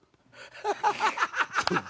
ハハハハ！